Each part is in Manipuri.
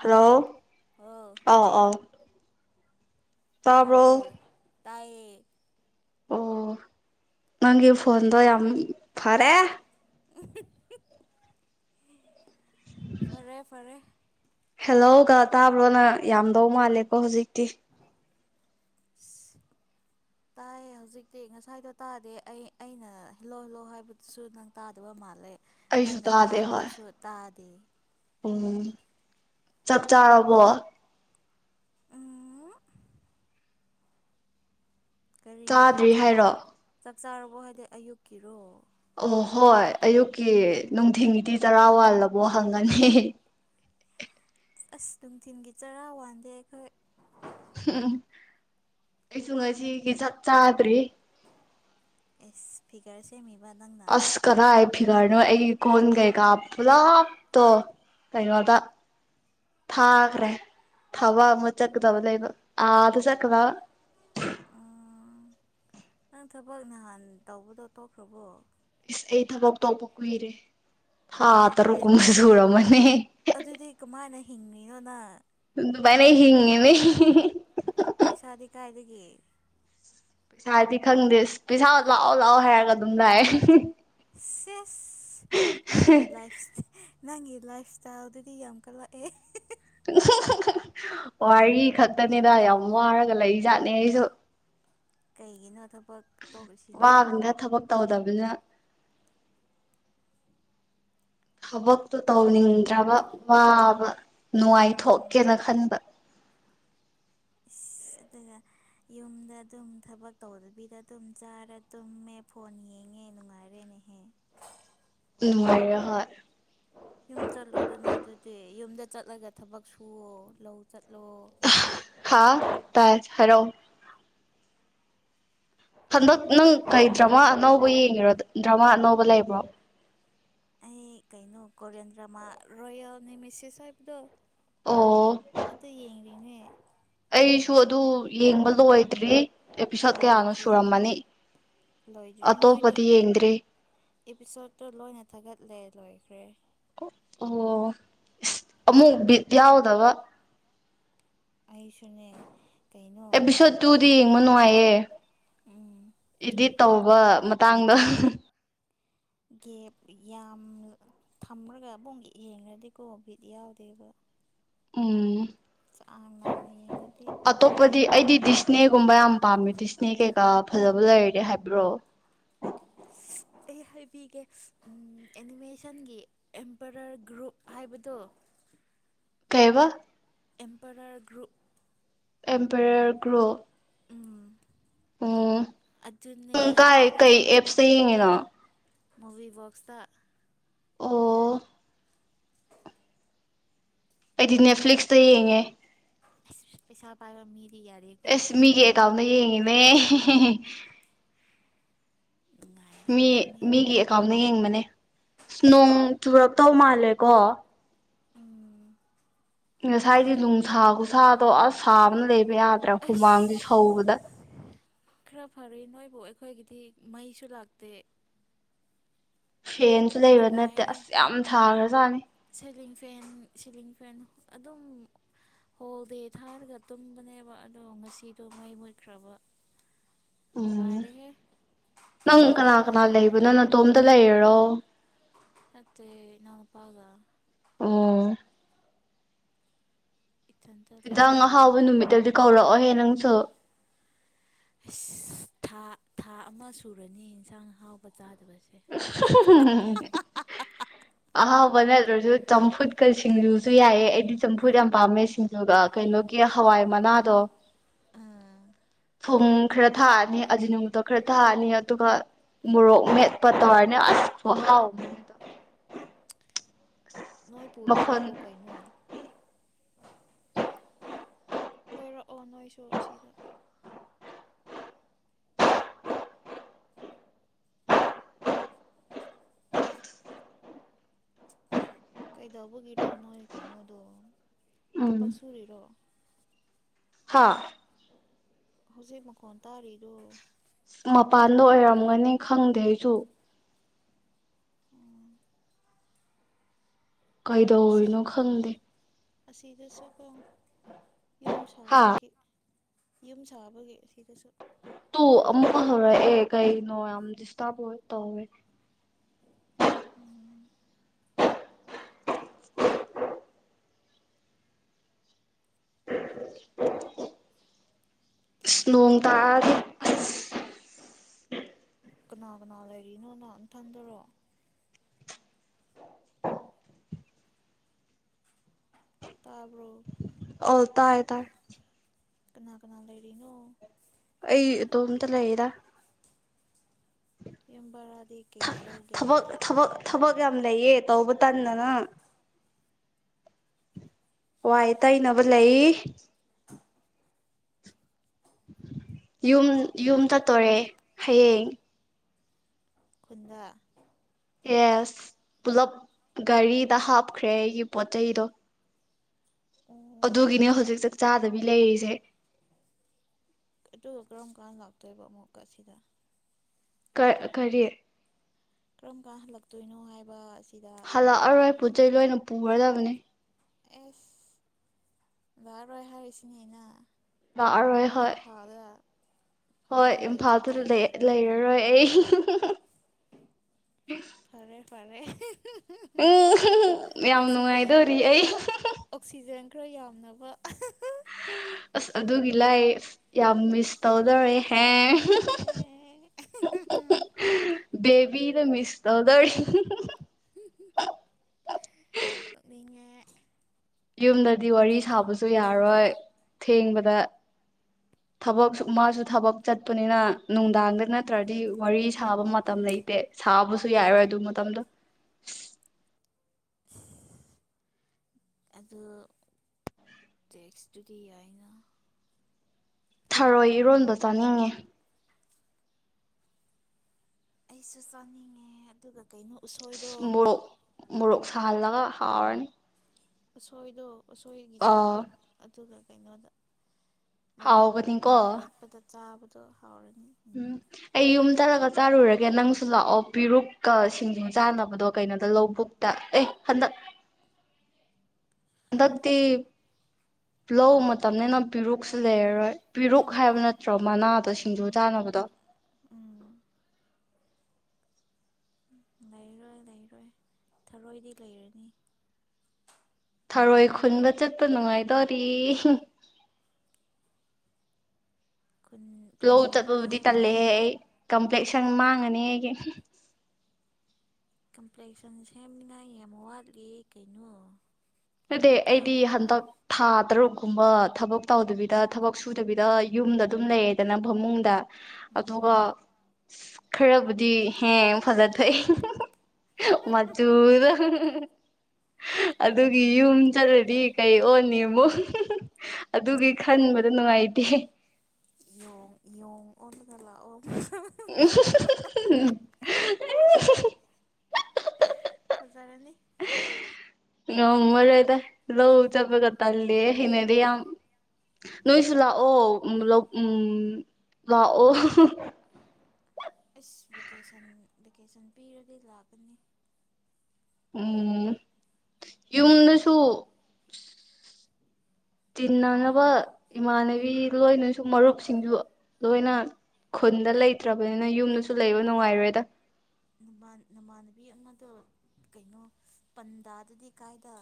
ꯍꯂꯣ ꯍꯜꯂꯣ ꯑꯣ ꯑꯥꯎ ꯑꯥꯎ ꯇꯥꯕ꯭ꯔꯣ ꯇꯌꯦ ꯑꯣ ꯅꯪꯒꯤ ꯐꯣꯟꯗꯣ ꯌꯥꯝ ꯐꯔꯦ ꯎ ꯐꯔꯦ ꯐꯔꯦ ꯍꯦꯜꯂꯣꯒ ꯇꯥꯕ꯭ꯔꯣꯅ ꯌꯥꯝꯗꯧ ꯃꯥꯜꯂꯦꯀꯣ ꯍꯧꯖꯤꯛꯇꯤ ꯇꯥꯏꯌꯦ ꯍꯧꯖꯤꯛꯇꯤ ꯉꯁꯥꯏꯗꯣ ꯇꯥꯗꯦ ꯑꯩ ꯑꯩꯅ ꯍꯦꯜꯜꯂꯣ ꯍꯤꯜꯂꯣ ꯍꯥꯏꯕꯗꯨꯁꯨ ꯅꯪ ꯇꯥꯗꯕ ꯃꯥꯜꯂꯦ ꯑꯩꯁꯨ ꯅꯪꯅ ꯇꯥꯗꯦ ꯍꯥꯏꯕꯗꯨꯁꯨ ꯇꯥꯗꯦ ꯑꯣ ꯆꯥꯛ ꯆꯥꯔꯕꯣ ꯎꯝ ꯀꯔꯤꯅꯣ ꯆꯥꯗ꯭ꯔꯤ ꯆꯥꯛ ꯍꯥꯏꯔꯣ ꯆꯥꯛ ꯆꯥꯔꯕꯣ ꯍꯥꯏꯗꯤ ꯑꯌꯨꯛꯀꯤꯔꯣ ꯑꯣ ꯍꯣꯏ ꯑꯌꯨꯛꯀꯤ ꯅꯨꯡꯊꯤꯟꯒꯤꯗꯤ ꯇꯔꯥ ꯋꯥꯜꯂꯕꯣ ꯍꯪꯒꯅꯤ ꯑꯁ ꯅꯨꯡꯊꯤꯟꯜꯒꯤ ꯆꯔꯥ ꯋꯥꯟꯗꯦ ꯑꯩꯈꯣꯏ ꯎꯝ ꯑꯩꯁꯨ ꯉꯁꯤꯒꯤ ꯆ ꯆꯥꯗ꯭ꯔꯔꯤ ꯑꯦ ꯐꯤꯒꯔꯁꯦ ꯃꯤ ꯑꯁ ꯀꯔꯑ ꯐꯤꯒꯥ ꯀꯩꯅꯣ ꯑꯩꯒꯤ ꯀꯣꯟ ꯀꯩꯀꯥ ꯄꯨꯂꯥꯞꯇꯣ ꯀꯩꯅꯣꯗ ꯊꯥꯈ꯭ꯔꯦ ꯊꯕꯛ ꯑꯃ ꯆꯠꯀꯗꯕ ꯂꯩꯕ ꯑꯥꯗ ꯆꯠꯀꯗꯕ ꯑꯣ ꯅꯪ ꯊꯕꯛ ꯅꯍꯥꯟ ꯇꯧꯕꯗꯣ ꯇꯣꯛꯈ꯭ꯔꯕꯣ ꯏꯁ ꯑꯩ ꯊꯕꯛ ꯇꯧꯕ ꯀꯨꯏꯔꯦ ꯏꯁ ꯍꯥꯥ ꯑꯗꯨꯗꯤ ꯇꯔꯨꯀꯁꯨꯔꯣ ꯃꯅꯤ ꯅꯣꯅ ꯃꯅꯦ ꯍꯤꯡꯉꯅꯦ ꯄꯩꯁꯥꯗꯤ ꯀꯥꯏꯗꯒꯤ ꯄꯩꯁꯥꯗꯤ ꯈꯪꯗꯦꯁ ꯄꯩꯁꯥ ꯂꯥꯛꯑꯣ ꯂꯥꯛꯑꯣ ꯍꯥꯏꯔꯒ ꯑꯗꯨꯝ ꯂꯥꯛꯑꯦ ꯁꯤ ꯅꯪꯒꯤ ꯂꯥꯏꯐꯇꯦ ꯅꯪꯒꯤ ꯂꯥꯏꯐ ꯏꯁꯇꯥꯏꯜꯗꯨꯗꯤ ꯌꯥꯝ ꯀꯠꯂꯛꯑꯦ ꯋꯥꯔꯤ ꯈꯛꯇꯅꯦꯗ ꯌꯥꯝ ꯋꯥꯔꯒ ꯂꯩ ꯖꯥꯠꯅꯦ ꯑꯩꯁꯨ ꯀꯩꯒꯤꯅꯣ ꯊꯕꯛ ꯇꯧꯔꯤꯁꯤꯅ ꯑꯗꯨꯅ ꯊꯕꯛꯇꯣ ꯇꯧꯅꯤꯡꯗ꯭ꯔꯕ ꯋꯥꯕ ꯑꯣ ꯅꯨꯡꯉꯥꯏꯊꯣꯛꯀꯦꯅ ꯈꯟꯕ ꯏꯁꯁ ꯑꯗꯨꯒ ꯌꯨꯝꯗ ꯑꯗꯨꯝ ꯊꯕꯛ ꯇꯧꯗꯕꯤꯗ ꯑꯗꯨꯝ ꯆꯥꯔ ꯇꯨꯝꯃꯦ ꯐꯣꯟ ꯌꯦꯡꯉꯦ ꯅꯨꯡꯉꯥꯏꯔꯦꯅꯦꯍꯦ ꯅꯔꯍꯣꯏ ꯌꯨꯝ ꯆꯠꯂꯣꯗꯅ ꯑꯗꯨꯗꯤ ꯌꯨꯝꯗ ꯆꯠꯂꯒ ꯊꯕꯛ ꯁꯨ ꯂꯧ ꯆ ꯍꯥꯥ ꯇꯥꯢ ꯍꯥꯏꯔꯛꯑꯣ ꯍꯟꯗꯛ ꯅꯪ ꯀꯩ ꯗ꯭ꯔꯃꯥ ꯑꯅꯧꯕ ꯌꯦꯡꯉꯤꯔꯣ ꯗ꯭ꯔꯃꯥ ꯑꯅꯧꯕ ꯂꯩꯕ꯭ꯔꯣ ꯑꯩ ꯀꯩꯩꯅꯣ ꯀꯣꯔꯦꯟꯗ꯭ꯔ ꯃꯥ ꯔꯣꯌꯅꯤ ꯃꯁ ꯁꯥꯕꯗꯣ ꯑꯣ ꯑꯗ ꯌꯦ ꯅꯦꯃꯦ ꯑꯩꯁꯨ ꯑꯗꯨ ꯌꯦꯡꯕ ꯂꯣꯏꯗ꯭ꯔꯤ ꯑꯦꯄꯤꯁꯣꯠ ꯀꯌꯥꯅꯣ ꯂꯣꯏꯗ꯭ꯔꯤ ꯁꯨꯔꯝꯃꯅꯤ ꯂꯣꯏꯗ꯭ꯔꯤ ꯃꯣꯏꯗꯣ ꯑꯇꯣꯞꯄꯗꯤ ꯌꯦꯡꯗ꯭ꯔꯤ ꯑꯦꯄꯤꯁꯣꯠꯇꯣ ꯂꯣꯏꯅ ꯊꯥꯒꯠ ꯂꯣꯏꯈ꯭ꯔꯦ ꯑꯣ ꯑꯃꯨꯛ ꯌꯥꯎꯗꯕ ꯑꯩꯁꯨꯅꯦ ꯀꯩꯅꯣ ꯑꯦꯄꯤꯁꯣꯗ ꯇꯨꯗꯤ ꯌꯦꯡꯕ ꯅꯨꯡꯉꯥꯏꯌꯦ ꯏꯗꯤꯠ ꯇꯧꯕ ꯃꯇꯥꯡꯗ ꯒꯦꯞ ꯌꯥꯝ ꯊꯝꯂꯒ ꯑꯕꯨꯡꯒꯤ ꯌꯦꯡꯉꯗꯤ ꯀꯣ ꯚꯤꯠ ꯌꯥꯎꯗꯦꯕ ꯎꯝ ꯆꯥꯡ ꯅꯥꯏꯅ ꯌꯦꯡꯉꯗꯤ ꯑꯇꯣꯞꯄꯗꯤ ꯌꯥꯏꯑꯕ ꯑꯩꯗꯤ ꯗꯤꯁꯅꯦꯒꯨꯝꯕ ꯌꯥꯝ ꯄꯥꯝꯃꯦ ꯗꯤꯁꯅꯦ ꯀꯩ ꯐꯖꯕ ꯂꯩꯔ ꯗꯤ ꯍꯥꯏꯕ꯭ꯔꯣ ꯑꯩ ꯍꯥꯏꯕꯤꯒꯦ ꯑꯦꯅꯤꯃꯦꯁꯟꯒꯤ ꯑꯦꯝꯄꯔꯔ ꯒ꯭ꯔꯨꯞ ꯍꯥꯏꯕꯗꯣ ꯀꯩꯑꯕ ꯑꯦꯝꯄꯔꯔ ꯒ꯭ꯔꯨꯞ ꯑꯦꯝꯄꯦꯔꯔ ꯒ꯭ꯔꯣ ꯎꯝ ꯑꯣ ꯑꯗꯨꯅꯦ ꯅꯪ ꯀꯥꯏ ꯀꯩ ꯑꯦꯞꯁꯇ ꯌꯦꯡꯉꯤꯅꯣ ꯃꯨꯚꯤꯕꯣꯛꯁꯇ ꯑꯣ ꯑꯩꯗꯤ ꯅꯦꯠꯐꯂꯤꯛꯁꯗ ꯌꯦꯡꯉꯦ ꯄꯩꯁꯥ ꯄꯥꯏꯕ ꯃꯤ ꯑꯦꯁ ꯃꯤꯒꯤ ꯑꯦꯀꯥꯎꯟꯗꯒꯤ ꯌꯦꯡꯉꯤ [unintelligible] ꯃꯤ ꯅꯨꯡꯉꯥꯏꯔꯝꯒꯅꯤ ꯃꯤꯒꯤ ꯑꯦꯀꯥꯎꯟꯗ ꯌꯦꯡꯕꯅꯦ ꯑ ꯅꯣꯡ ꯆꯨꯔ ꯇꯧ ꯃꯥꯜꯂꯦꯀꯣ ꯎꯝ ꯉꯁꯥꯏꯗꯤ ꯅꯨꯡꯁꯥ ꯈꯨꯁꯥꯗꯣ ꯑꯁ ꯁꯥꯕꯅ ꯂꯩꯕ ꯌꯥꯗ꯭ꯔꯥ ꯑꯁ ꯍꯨꯃꯥꯡꯗꯤ ꯁꯧꯕꯗ ꯈꯔ ꯐꯔꯦ ꯅꯣꯏꯕꯨ ꯑꯩꯈꯣꯏꯒꯤꯗꯤ ꯃꯩꯁꯨ ꯂꯥꯛꯇꯦ ꯐꯦꯟꯁꯨ ꯂꯩꯕ ꯅꯠꯇꯦ ꯅꯨꯡꯉꯥꯏꯔꯦ ꯑꯁ ꯌꯥꯝ ꯊꯥꯒ꯭ꯔꯖꯥꯠꯅꯤ ꯁꯤꯂꯤꯡ ꯐꯦꯟ ꯁꯤꯂꯤꯡ ꯐꯦꯟ ꯑꯗꯨꯝ ꯍꯣꯜ ꯗꯦ ꯊꯥꯔꯒ ꯇꯨꯝꯕꯅꯦꯕ ꯑꯗꯣ ꯉꯁꯤꯗꯣ ꯃꯩ ꯃꯨꯠꯈ꯭ꯔꯕ ꯎꯝ ꯅꯨꯡꯉꯥꯏꯔꯦꯍꯦ ꯅꯪ ꯀꯅꯥ ꯐꯖꯅ ꯀꯅꯥ ꯁꯥꯔꯦ ꯂꯩꯕꯅꯣ ꯅꯇꯣꯝꯇ ꯂꯩꯔꯤꯔꯣ ꯑꯣ ꯅꯠꯇꯦ ꯏꯅꯥꯎ ꯅꯨꯄꯥꯒ ꯑꯣ ꯏꯊꯟꯇ ꯍꯟꯗꯥꯡ ꯂꯩꯇꯦ ꯑꯍꯥꯎꯕ ꯅꯨꯃꯤꯠꯇꯗꯤ ꯀꯧꯔꯛꯑꯣ ꯍꯦ ꯔꯥꯡꯁꯨ ꯏꯁ ꯊꯥ ꯊꯥ ꯑꯃ ꯁꯨꯔꯅꯤ ꯌꯦꯟꯁꯥꯡ ꯑꯍꯥꯎꯕ ꯆꯥꯗꯕ [unintelligible] ꯑꯍꯥꯎꯕ ꯅꯠꯇ꯭ꯔꯁꯨ ꯆꯝꯐꯨꯠꯀ ꯁꯤꯡꯖꯨꯁꯨ ꯌꯥꯏꯑ ꯑꯩꯗꯤ ꯆꯝꯐꯨꯠ ꯌꯥꯝ ꯄꯥꯝꯃꯦ ꯁꯤꯡꯖꯨꯒ ꯀꯩꯅꯣꯒꯤ ꯍꯋꯥꯏ ꯃꯅꯥꯗꯣ ꯑꯥ ꯊꯨꯝ ꯈꯔ ꯊꯥꯛꯑꯅꯤ ꯑꯖꯤꯅꯥꯃꯣꯇꯣ ꯈꯔ ꯊꯥꯛꯑꯅꯤ ꯑꯗꯨꯒ ꯃꯣꯔꯣꯛ ꯃꯦꯠꯄ ꯇꯧꯔꯅꯤ ꯑꯁ ꯈꯨ ꯍꯥꯎ ꯅꯣꯏ ꯄꯨꯔꯒ ꯂꯥꯛꯑꯣ ꯀꯩꯅꯣ ꯀꯣꯏꯔꯛꯑꯣ ꯅꯣꯏꯁꯨ ꯁꯤꯗ ꯀꯩꯗꯧꯕꯒꯤꯔꯣ ꯅꯣꯏ ꯀꯩꯅꯣꯗꯣ ꯎꯝ ꯊꯕꯛ ꯁꯨꯔꯤꯔꯣ ꯍꯥꯥ ꯍꯧꯖꯤꯛ ꯃꯈꯣꯟ ꯇꯥꯔꯤꯗꯣ ꯃꯄꯥꯟꯗ ꯑꯣꯏꯔꯝꯒꯅꯤ ꯈꯪꯗꯦ ꯑꯩꯁꯨ ꯑꯁꯤ ꯀꯩꯗꯧꯔꯤꯅꯣ ꯈꯪꯗꯦ ꯑꯁꯤꯗꯁꯨꯀꯣ ꯌꯨꯝ ꯍꯥ ꯁꯥꯕꯒꯤ ꯌꯨꯝ ꯁꯥꯕꯒꯤ ꯁꯤꯗꯁꯨ ꯇꯨ ꯑꯃꯨꯛꯀ ꯍꯧꯔꯛ ꯑꯦ ꯀꯩꯅꯣ ꯌꯥꯝ ꯗꯤꯁꯇ꯭ꯔꯕ ꯑꯣꯏ ꯇꯧꯏ ꯎꯝ [inaudible] ꯅꯣꯡ ꯇꯥꯒ ꯀꯅꯥ ꯀꯅꯥ ꯂꯩꯔꯤꯅꯣ ꯅꯍꯅꯊꯟꯗꯔꯣ ꯇꯥꯔꯕꯣ ꯑꯣꯜ ꯇꯑ ꯇ ꯀꯅꯥ ꯀꯅꯥ ꯂꯩꯔꯤꯅꯣ ꯑꯩ ꯏꯇꯣꯝꯇ ꯂꯩꯌꯦꯗ ꯌꯕꯔ ꯁꯤ ꯀꯌꯥ ꯂꯧꯒꯦ ꯊꯕꯛ ꯊꯕꯛ ꯊꯕꯛ ꯌꯥꯝ ꯂꯩꯌꯦ ꯇꯧꯕ ꯇꯟꯗꯅ ꯋꯥ ꯇꯩꯅꯕ ꯂꯩ ꯌꯨꯝ ꯌꯨꯝ ꯆꯠꯇꯣꯔꯦ ꯍꯌꯦꯡ ꯈꯨꯟꯗ ꯌꯦꯁ ꯄꯨꯂꯞ ꯒꯥꯔꯤꯗ ꯍꯥꯞꯈ꯭ꯔꯦ ꯑꯩꯒꯤ ꯄꯣꯠ ꯆꯩꯗꯣ ꯑꯣ ꯑꯗꯨꯒꯤꯅꯦ ꯍꯧꯖꯤꯛ ꯆꯥꯛ ꯆꯥꯗꯕꯤ ꯂꯩꯔꯤꯁꯦ ꯑꯗꯨꯒ ꯀꯔꯝ ꯀꯥꯟꯗ ꯂꯥꯛꯇꯣꯏꯕ ꯑꯃꯨꯛꯀ ꯑꯁꯤꯗ ꯀ ꯀꯔꯤ ꯀꯔꯝ ꯀꯥꯟ ꯍꯜꯂꯛꯇꯣꯏꯅꯣ ꯍꯥꯏꯕ ꯑꯁꯤꯗ ꯍꯜꯂꯛꯑꯔꯣꯏ ꯑꯩ ꯄꯨ ꯆꯩꯩ ꯂꯣꯏꯅ ꯄꯨꯍꯔꯗꯕꯅꯦ ꯑꯦꯁ ꯂꯥꯛꯑꯔꯣꯏ ꯍꯥꯏꯔꯤꯁꯤꯅꯦꯅ ꯂꯥꯛꯔꯣꯏ ꯍꯣꯏ ꯍꯣꯏ ꯐꯔꯦꯅꯦ ꯏꯝꯐꯥꯜꯗ ꯑꯗꯨꯗꯤ ꯂꯩ ꯂꯩꯔꯔꯣꯏ ꯑꯩ ꯐꯔꯦ ꯐꯔꯦ ꯃꯌꯥꯝ ꯑꯣꯛꯁꯤꯖꯦꯟ ꯅꯨꯡꯉꯥꯏꯗꯧꯔꯤ ꯑꯩ ꯑꯣꯛꯁꯤꯖꯦꯟ ꯈꯔ ꯌꯥꯝꯅꯕ ꯑꯁ ꯑꯗꯨꯒꯤ ꯂꯥꯏ ꯑ ꯌꯥꯝ ꯃꯤꯁ ꯇꯧꯗꯧꯔꯦꯍꯦ ꯦꯕꯤꯗ ꯃꯤꯁ ꯇꯧꯗꯔ ꯀ ꯃꯤ ꯌꯨꯝꯗꯗꯤ ꯋꯥꯔꯤ ꯁꯥꯕꯁꯨ ꯌꯥꯔꯣꯏ ꯊꯦꯡꯕꯗ ꯊꯕꯛ ꯃꯥꯁꯨ ꯊꯕꯛ ꯆꯠꯄꯅꯤꯅ ꯅꯨꯡꯗꯥꯡꯗ ꯅꯠꯇ꯭ꯔꯗꯤ ꯋꯥꯔꯤ ꯁꯥꯕ ꯃꯇꯝ ꯂꯩꯇꯦ ꯁꯥꯕꯁꯨ ꯌꯥꯔꯣꯏ ꯑꯗꯨ ꯃꯇꯝꯗꯣ ꯑꯗꯨ ꯇꯦꯛꯁ ꯇꯨꯗꯤ ꯌꯥꯏꯅ ꯊꯔꯣꯏ ꯏꯔꯣꯟꯗ ꯆꯥꯅꯤꯡꯉꯤ ꯑꯩꯁꯨ ꯆꯥꯅꯤꯡꯉꯦ ꯑꯗꯨꯒ ꯀꯩꯅꯣ ꯎꯁꯣꯏꯗꯣ ꯃꯣꯔꯣꯛ ꯃꯣꯔꯣꯛ ꯁꯥꯍꯜꯂꯒ ꯍꯥꯎꯔꯅꯤ ꯑꯁꯣꯏꯗ ꯎꯁꯣꯏꯒꯤ ꯑꯥ ꯆꯝꯐꯨꯠ ꯑꯗꯨꯒ ꯀꯩꯅꯣꯗ ꯃꯣꯔꯣꯛ ꯍꯥꯎꯒꯅꯤꯀꯣ ꯃꯦꯠꯄꯗ ꯆꯥꯕ ꯍꯥꯎꯔ ꯎꯝ ꯑꯩ ꯌꯨꯝ ꯆꯠꯂꯒ ꯆꯥꯔꯨꯔꯒꯦ ꯅꯪꯁꯨ ꯂꯥꯛꯑꯣ ꯄꯦꯔꯨꯛꯀ ꯁꯤꯡꯖꯨ ꯆꯥꯅꯕꯗꯣ ꯀꯩꯅꯣꯗ ꯂꯧꯕꯨꯛꯇ ꯑꯦ ꯍꯟꯗꯛ ꯍꯟꯗꯛꯇꯤ ꯂꯧ ꯃꯇꯝꯅꯤꯅ ꯄꯦꯔꯨꯛꯁꯨ ꯂꯩꯔꯔꯣꯏ ꯄꯤꯔꯨꯛ ꯍꯥꯏꯕ ꯅꯠꯇ꯭ꯔꯣ ꯃꯅꯥꯗ ꯁꯤꯡꯖꯨ ꯎꯝ ꯆꯥꯅꯕꯗꯣ ꯎꯝ ꯂꯩꯔꯣꯏ ꯂꯩꯔꯣꯏ ꯊꯔꯣꯏꯗꯤ ꯂꯩꯔꯅꯤ ꯊꯔꯣꯏ ꯈꯨꯟꯕ ꯆꯠꯄ ꯅꯨꯡꯉꯥꯏꯗꯣꯔꯤ ꯈꯨꯟ ꯂꯧ ꯈꯨꯟꯒꯅꯨ ꯆꯠꯄꯕꯨꯗꯤ ꯍꯥꯏꯕꯅꯦ ꯇꯂꯦꯍꯦ ꯑꯩ ꯂꯦꯛꯁꯟ ꯃꯥꯡꯉꯅꯤ ꯑꯩꯒꯤ ꯀꯝꯄ꯭ꯂꯦꯛꯁꯟ ꯁꯦꯝꯅꯤꯉꯥꯏ ꯌꯥꯝ ꯋꯥꯠꯂꯤ ꯀꯩꯅꯣ ꯅꯠꯇꯦ ꯊꯥ ꯑꯩꯗꯤ ꯍꯟꯗꯛ ꯊꯥ ꯇꯔꯨꯛꯀꯨꯝꯕ ꯊꯕꯛ ꯇꯧꯗꯕꯤꯗ ꯊꯕꯛ ꯁꯨꯗꯕꯤꯗ ꯌꯨꯝꯗ ꯑꯗꯨꯝ ꯂꯩꯌꯦꯗꯅ ꯐꯃꯨꯡꯗ ꯎꯝ ꯑꯗꯒ ꯑꯁ ꯈꯔꯕꯨꯗꯤ ꯍꯦꯡ ꯐꯖꯊꯣꯛꯑꯦ ꯃꯆꯨꯗꯣ ꯑꯗꯨ ꯑꯗꯨꯒꯤ ꯌꯨꯝ ꯆꯠꯂꯗꯤ ꯀꯩ ꯑꯣꯅꯤ ꯑꯃꯨꯛ ꯑꯗꯨꯒꯤ ꯈꯟꯕꯗ ꯅꯨꯡꯉꯥꯏꯇꯦ ꯣꯡꯌꯣꯡ ꯑꯣꯜꯂ ꯑꯣ [inaudible] [inaudible] ꯐꯖꯔꯅꯤ ꯉꯝꯃꯔꯣꯏꯗ ꯂꯧ ꯆꯠꯄꯒ ꯇꯜꯂꯦ ꯍꯩꯅꯗꯦ ꯌꯥꯝ ꯅꯣꯏꯁꯨ ꯂꯥꯛꯑꯣ ꯎꯝ ꯂꯧ ꯀꯨꯝ ꯂꯥꯛꯑꯣ ꯑꯁ ꯚꯦꯀꯦꯁꯟ ꯚꯦꯀꯦꯁꯟ ꯄꯤꯔꯗꯤ ꯂꯥꯛꯀꯅꯤ ꯎꯝ ꯌꯨꯝꯗꯁꯨ ꯇꯤꯟꯅꯅꯕ ꯏꯃꯥꯟꯅꯕꯤ ꯂꯣꯏꯅꯁꯨ ꯃꯔꯨꯞꯁꯤꯡꯁꯨ ꯂꯣꯏꯅ ꯈꯨꯟꯗ ꯂꯩꯇ꯭ꯔꯕꯅꯤꯅ ꯌꯨꯝꯗꯁꯨ ꯂꯩꯕ ꯅꯨꯡꯉꯥꯏꯔꯣꯏꯗ ꯅꯃꯥꯟꯅꯕꯤ ꯑꯃꯗꯣ ꯀꯩꯅꯣ ꯄꯟꯗꯥꯗꯗꯤ ꯀꯥꯏꯗ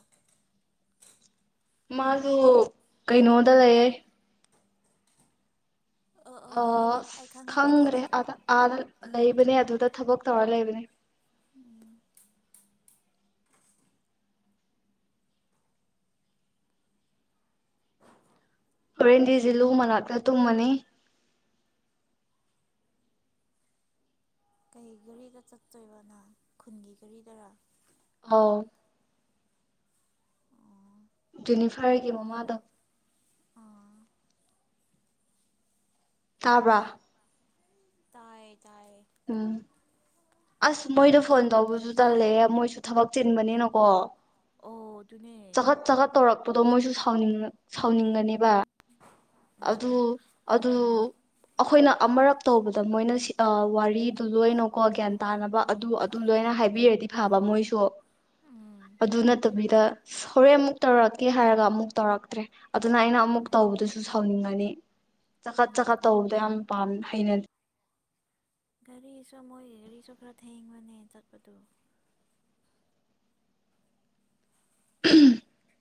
ꯃꯥꯁꯨ ꯀꯩꯅꯣꯗ ꯂꯩꯌꯦ ꯌꯥꯔꯦ ꯑꯣ ꯌꯥꯔꯦ ꯑꯩ ꯈꯪꯉꯦ ꯑꯩ ꯈꯪꯉꯦ ꯈꯪꯈ꯭ꯔꯦ ꯑꯗ ꯑꯥꯗ ꯎꯝ ꯂꯩꯕꯅꯦ ꯎꯝ ꯑꯗꯨꯗ ꯊꯕꯛ ꯇꯧꯔ ꯂꯩꯕꯅꯦ ꯎꯝ ꯍꯣꯔꯦꯟꯗꯤꯖꯤꯂꯨꯡ ꯃꯅꯥꯛꯇ ꯇꯨꯝꯃꯅꯤ ꯀꯩ ꯒꯥꯔꯤꯗ ꯆꯠꯇꯣꯏꯕꯅ ꯈꯨꯟꯒꯤ ꯘꯔꯤꯗꯔꯥ ꯑꯥꯎ ꯑꯣ ꯖꯦꯅꯤꯐꯔꯒꯤ ꯃꯃꯥꯗꯣ ꯑꯥ ꯇꯥꯕ꯭ꯔ ꯇꯌꯦ ꯇꯥꯏꯌꯦ ꯑꯝ ꯑꯁ ꯃꯣꯏꯗ ꯐꯣꯟ ꯇꯧꯕꯁꯨ ꯇꯜꯂꯦꯍꯦ ꯃꯣꯏꯁꯨ ꯊꯕꯛ ꯆꯤꯟꯕꯅꯤꯅꯀꯣ ꯑꯣ ꯑꯗꯨꯅꯦ ꯄꯇꯣ ꯃꯣꯏꯁꯨ ꯁꯥꯎꯅꯤꯡ ꯁꯥꯎꯅꯤꯡꯒꯅꯦꯕ ꯎꯝ ꯑꯗꯨ ꯑꯗꯨ ꯑꯩꯈꯣꯏꯅ ꯑꯃꯔꯞ ꯇꯧꯕꯗ ꯃꯣꯏꯅ ꯋꯥꯔꯤꯗꯨ ꯂꯣꯏꯅꯀꯣ ꯒ꯭ꯌꯥꯟ ꯇꯥꯅꯕ ꯑꯗꯨ ꯑꯗꯨ ꯂꯣꯏꯅ ꯍꯥꯏꯕꯤꯔꯗꯤ ꯐꯥꯕ ꯃꯣꯏꯁꯨ ꯎꯝ ꯑꯗꯨ ꯅꯠꯇ ꯑꯩꯩꯗ ꯍꯣꯔꯦꯟ ꯑꯃꯨꯛ ꯇꯧꯔꯛꯀꯦ ꯍꯥꯏꯔꯒ ꯑꯃꯨꯛ ꯇꯧꯔꯛꯇ꯭ꯔꯦ ꯑꯗꯨꯅ ꯑꯩꯅ ꯑꯃꯨꯛ ꯇꯧꯕꯗꯨꯁꯨ ꯑꯗꯨꯨ ꯁꯥꯎꯅꯤꯡꯒꯅꯤ ꯆꯈꯠ ꯎꯝ ꯆꯈꯠ ꯇꯧꯕꯗꯣ ꯌꯥꯝ ꯄꯥꯝ ꯍꯩꯅꯗꯦ ꯒꯥꯔꯤꯁꯨ ꯃꯣꯏꯒꯤ ꯒꯥꯔꯤꯁꯨ ꯈꯔ ꯊꯦꯡꯕꯅꯦ ꯆꯠꯄꯗꯨ [inaudible]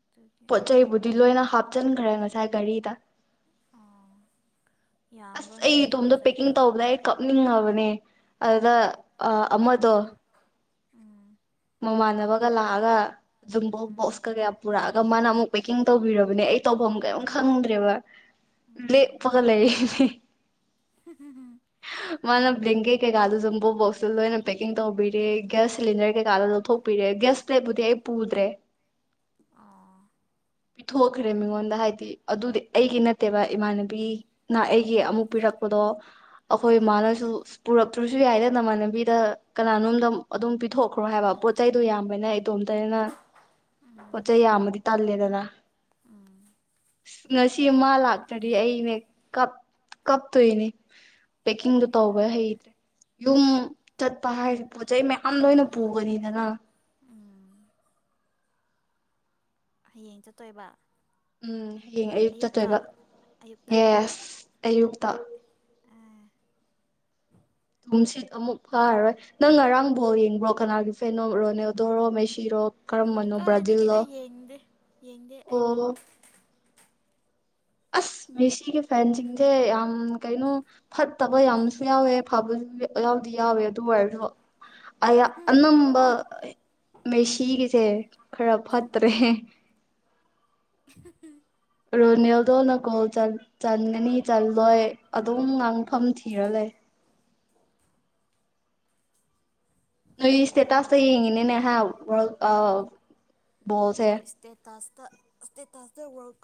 ꯑꯗꯨꯒꯤ ꯄꯣꯠ ꯆꯩꯕꯨꯗꯤ ꯂꯣꯏꯅ ꯍꯥꯞ ꯆꯟꯈ꯭ꯔꯦ ꯉꯁꯥꯏ ꯒꯥꯔꯤꯗ ꯑꯣ ꯑꯁ ꯌꯥꯝꯕ꯭ꯔꯣꯅꯦ ꯑꯩ ꯅꯪꯒꯤ ꯄꯣꯠ ꯏꯇꯣꯝꯗ ꯆꯩꯗꯣ ꯄꯦꯛꯀꯤꯡ ꯇꯧꯕꯅꯦ ꯑꯩ ꯀꯞꯅꯤꯡꯉꯕꯅꯦ ꯑꯗꯨꯗ ꯑ ꯑꯃꯗꯣ ꯎꯝ ꯃꯃꯥꯟꯅꯕꯒ ꯂꯥꯛꯑꯒ ꯨꯖꯨꯝꯕꯣ ꯎꯝ ꯕꯣꯛꯁꯀ ꯒ ꯌꯥꯝ ꯄꯨꯔꯛ ꯃꯥꯅ ꯑꯃꯨꯛ ꯄꯦꯛꯀꯤꯡ ꯇꯧꯕꯤꯔꯕꯅꯦ ꯑꯩ ꯇꯧꯐꯝ ꯀꯔꯤꯝ ꯈꯪꯗ꯭ꯔꯦꯕ ꯂꯦꯞꯄꯒ ꯂꯩꯔꯤꯅꯦ ꯎ ꯎ ꯎꯝ ꯃꯥꯅ ꯕꯂꯦꯡꯀꯦ ꯀꯩꯀꯥꯗꯨꯁꯨ ꯖꯝꯕꯣ ꯕꯣꯛꯁꯇ ꯂꯣꯏꯅ ꯄꯦꯛꯀꯤꯡ ꯇꯧꯕꯤꯔꯦ ꯒ꯭ꯌꯥꯁ ꯁꯤꯂꯤꯟꯗꯔꯒ ꯆꯥꯗꯣ ꯂꯧꯊꯣꯛꯄꯤꯔꯦ ꯒꯥꯁꯂꯦꯞꯄꯨꯗꯤ ꯑꯩ ꯄꯨꯗ꯭ꯔꯦ ꯑꯣ ꯄꯤꯊꯣꯛꯈ꯭ꯔꯦ ꯃꯤꯉꯣꯟꯗ ꯍꯥꯏꯗꯤ ꯑꯗꯨꯗꯤ ꯑꯩꯒꯤ ꯅꯠꯇꯦꯕ ꯏꯃꯥꯟꯅꯕꯤꯅ ꯑꯩꯒꯤ ꯑꯃꯨꯛ ꯄꯤꯔꯛꯄꯗꯣ ꯑꯈꯣꯏ ꯑꯥ ꯃꯥꯅꯁꯨ ꯄꯨꯔꯛ ꯇ꯭ꯔꯨꯁꯨ ꯌꯥꯏꯗ ꯅꯃꯥꯟꯅꯕꯤꯗ ꯀꯅꯥꯅꯣꯝꯗ ꯑꯗꯨꯝ ꯄꯤꯊꯣꯛꯈ꯭ꯔꯣ ꯍꯥꯏꯕ ꯄꯣꯠ ꯆꯩꯗꯣ ꯌꯥꯝꯕꯅꯩ ꯏꯇꯣꯝꯇꯅꯤꯅ ꯄꯣꯠ ꯎꯝ ꯆꯩꯩ ꯌꯥꯝꯃꯗꯤ ꯇꯜꯂꯦꯗꯅ ꯎꯝ ꯏꯁ ꯉꯁꯤ ꯃꯥ ꯂꯥꯛꯇ꯭ꯔꯗꯤ ꯑꯩꯅꯦ ꯀꯞ ꯀꯞꯇꯣꯏꯅꯦ ꯄꯦꯛꯀꯤꯡꯗꯣ ꯇꯧꯕ ꯍꯩꯇ꯭ꯔꯦ ꯌꯨꯝ ꯆꯠꯄ ꯍꯥꯏ ꯄꯣꯠ ꯆꯩ ꯃꯌꯥꯝ ꯂꯣꯏꯅ ꯄꯨꯒꯅꯤꯗꯅ ꯎꯝ ꯍꯌꯦꯡ ꯆꯠꯇꯣꯏꯕ ꯎꯝ ꯍꯌꯦꯡ ꯑꯌꯨꯛ ꯆꯠꯇꯣꯏꯕ ꯑꯌꯨꯛꯇ ꯑꯌꯨꯛꯇ ꯌꯦꯁ ꯑꯌꯨꯛꯇ ꯑꯦ ꯨ ꯇꯨꯝꯁꯤꯠ ꯑꯃꯨꯛ ꯐꯥꯔꯔꯣꯏ ꯅꯪ ꯉꯔꯥꯡ ꯕꯣꯜ ꯌꯦꯡꯕ꯭ꯔꯣ ꯀꯅꯥꯒꯤ ꯐꯦꯟꯅꯣ ꯔꯣꯅꯦꯜꯗꯣꯔꯣ ꯃꯩꯁꯤꯔꯣ ꯀꯔꯝꯕꯅꯣ ꯀꯥꯏꯗꯒꯤ ꯕ꯭ꯔꯥꯖꯤꯜꯂꯣ ꯑꯩ ꯌꯦꯡꯗꯦ ꯌꯦꯡꯗꯦ ꯑꯩ ꯑꯣ ꯑꯁ ꯃꯦꯁꯤꯒꯤ ꯐꯦꯟꯁꯤꯡꯁꯦ ꯌꯥꯝ ꯀꯩꯅꯣ ꯐꯠꯇꯕ ꯌꯥꯝꯁꯨ ꯌꯥꯎꯋꯦ ꯐꯕꯁꯨ ꯌꯥꯎꯗꯤ ꯌꯥꯎꯋꯦ ꯑꯗꯨ ꯑꯣꯏꯔꯁꯨ ꯑꯌꯥ ꯑꯅꯝꯕ ꯃꯦꯁꯤꯒꯤꯁꯦ ꯈꯔ ꯐꯠꯇ꯭ꯔꯦ ꯎꯝ [inaudible] ꯔꯣꯅꯦꯜꯗꯣꯅ ꯒꯣꯜ ꯆꯟꯒꯅꯤ ꯆꯜꯂꯣꯏ ꯑꯗꯨꯝ ꯉꯥꯡꯐꯝ ꯊꯤꯔ ꯂꯩ ꯑꯩꯗꯤ ꯁꯇꯦꯇꯁ ꯇ ꯌꯦꯡꯉꯤꯅꯤꯅꯦ ꯍꯥ ꯋꯥꯜ ꯑꯧ ꯍꯣꯏ ꯁꯇꯦꯇꯁ ꯇ ꯁꯇꯦꯇꯁ ꯇ ꯋꯥꯔꯜ